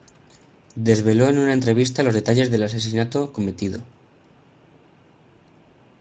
Desveló en una entrevista los detalles del asesinato cometido.